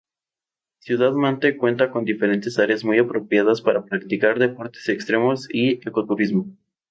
Ciudad Mante cuenta con diferentes áreas muy apropiadas para practicar deportes extremos y ecoturismo.